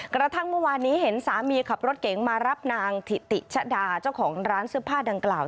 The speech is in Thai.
กระทั่งเมื่อวานนี้เห็นสามีขับรถเก๋งมารับนางถิติชะดาเจ้าของร้านเสื้อผ้าดังกล่าว